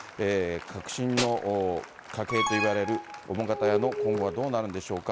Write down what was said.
革新の家系といわれる澤瀉屋の今後はどうなるんでしょうか。